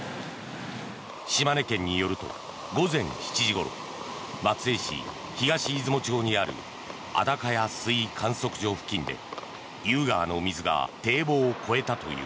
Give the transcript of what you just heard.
島根県によると、午前７時ごろ松江市東出雲町にある出雲郷水位観測所付近で意宇川の水が堤防を越えたという。